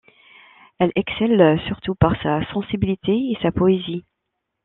Elle excelle surtout par sa sensibilité et sa poésie.